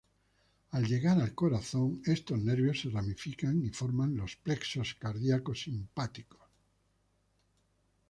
Al llegar al corazón estos nervios se ramifican y forman los plexos cardíacos simpáticos.